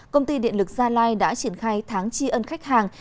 công ty điện lực gia lai đã triển khai tháng tri ân khách hàng